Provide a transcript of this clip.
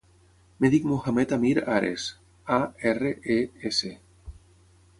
Em dic Mohamed amir Ares: a, erra, e, essa.